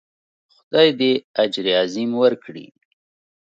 خدای دې اجر عظیم ورکړي.